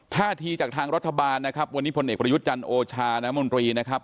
ท่าทีจากทางรัฐบาลนะครับวันนี้พลเอกประยุทธ์จันทร์โอชาน้ำมนตรีนะครับ